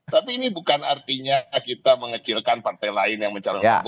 tapi ini bukan artinya kita mengecilkan partai lain yang mencalonkan